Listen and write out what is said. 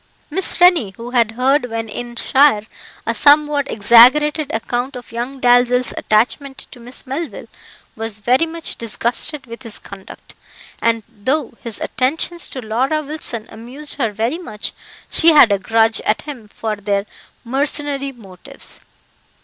Miss Rennie, who had heard when in shire, a somewhat exaggerated account of young Dalzell's attachment to Miss Melville, was very much disgusted with his conduct, and though his attentions to Laura Wilson amused her very much, she had a grudge at him for their mercenary motives.